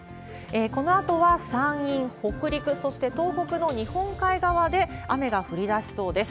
このあとは、山陰、北陸、そして東北の日本海側で雨が降りだしそうです。